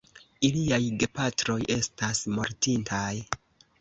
Iliaj gepatroj estas mortintaj.